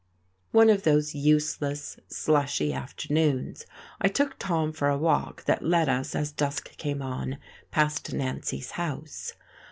One of those useless, slushy afternoons, I took Tom for a walk that led us, as dusk came on, past Nancy's house.